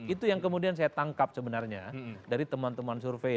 itu yang kemudian saya tangkap sebenarnya dari teman teman survei